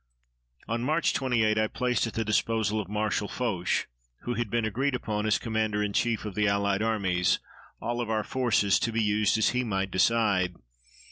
On March 28 I placed at the disposal of Marshal Foch, who had been agreed upon as Commander in Chief of the Allied Armies, all of our forces, to be used as he might decide.